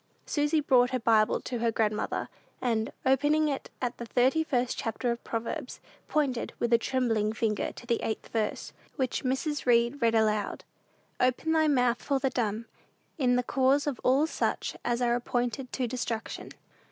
Susy brought her Bible to her grandmother, and, opening it at the thirty first chapter of Proverbs, pointed, with a trembling finger, to the eighth verse, which Mrs. Read read aloud, "Open thy mouth for the dumb in the cause of all such as are appointed to destruction."